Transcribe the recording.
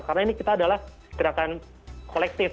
karena ini kita adalah gerakan kolektif